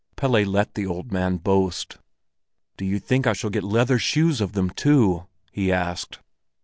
Pelle let the old man boast. "Do you think I shall get leather shoes of them too?" he asked.